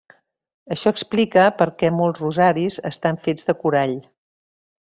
Això explica perquè molts rosaris estan fets de corall.